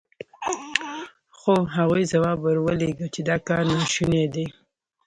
خو هغوی ځواب ور ولېږه چې دا کار ناشونی دی.